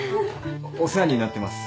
お世話になってます。